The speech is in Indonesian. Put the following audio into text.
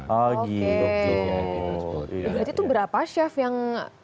berarti itu berapa chef yang